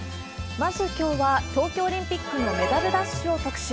まず、きょうは東京オリンピックのメダルラッシュを特集。